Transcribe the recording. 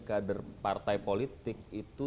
kader partai politik itu